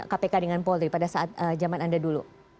kpk dengan paul ri pada zaman anda dulu